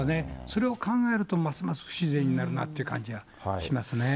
それを考えると、ますます不自然になるなという感じはしますね。